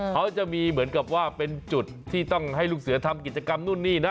เขาจะมีเหมือนกับว่าเป็นจุดที่ต้องให้ลูกเสือทำกิจกรรมนู่นนี่นะ